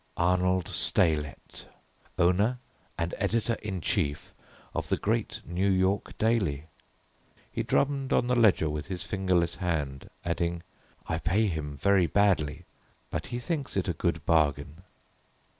"Arnold Steylette, Owner and Editor in Chief of the great New York daily." He drummed on the ledger with his fingerless hand adding: "I pay him very badly, but he thinks it a good bargain."